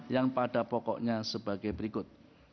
yang pada pokoknya sebagai berikut